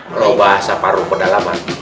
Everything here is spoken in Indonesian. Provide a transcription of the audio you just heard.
merobah asaparung kedalaman